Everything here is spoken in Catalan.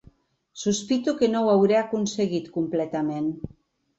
Sospito que no ho hauré aconseguit completament